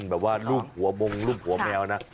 แบบว่ารูปหัวมงรูปหัวแมวนะ